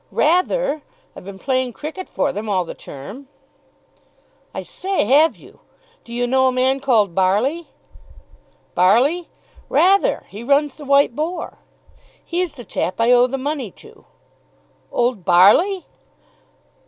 "Rather! I've been playing cricket for them all the term." "I say, have you? Do you know a man called Barley?" "Barley? Rather he runs the 'White Boar'." "He's the chap I owe the money to." "Old Barley!"